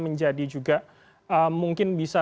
menjadi juga mungkin bisa